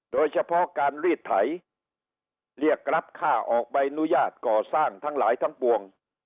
โดยเฉพาะการรีดไถเรียกรับค่าออกใบอนุญาตก่อสร้างทั้งหลายทั้งปวง